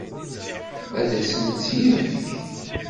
Ad asen-tt-yefk?